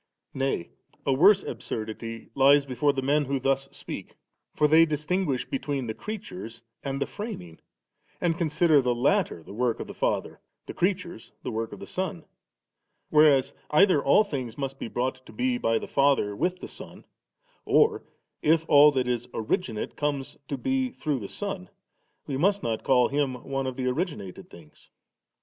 Nay a worse absurdity lies before the men who thus speak; for they distinguish 3 between the creatures and the framing; and consider the latter the work of the Father, the creatures the work of the Son ; whereas either all things must be brought to be by the Father with the Son, or if all that is originate comes to be through the Son, we must not call Him one of the originated things.